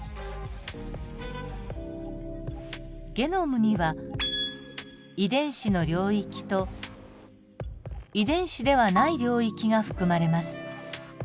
ゲノムには遺伝子の領域と遺伝子ではない領域が含まれます。